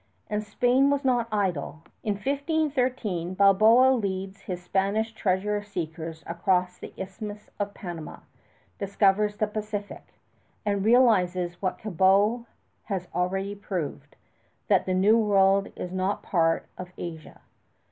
And Spain was not idle. In 1513 Balboa leads his Spanish treasure seekers across the Isthmus of Panama, discovers the Pacific, and realizes what Cabot has already proved that the New World is not a part of Asia.